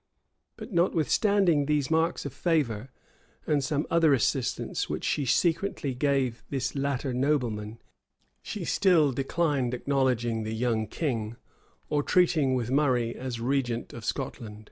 But notwithstanding these marks of favor, and some other assistance which she secretly gave this latter nobleman,[] she still declined acknowledging the young king, or treating with Murray as regent of Scotland.